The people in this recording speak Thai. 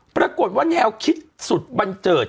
ปรากฏว่าแนวคิดสุดบันเจิด